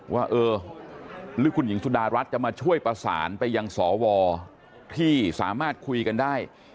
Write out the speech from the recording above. ว่าเออหรือคุณหญิงสุดารัฐจะมาช่วยประสานไปยังสวที่สามารถคุยกันได้